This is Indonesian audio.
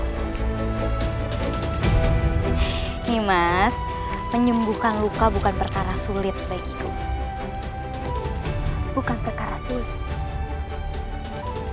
nimas menyembuhkan luka bukan perkara sulit bagi kamu bukan perkara sulit